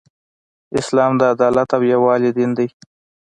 اسلام د عدالت او یووالی دین دی .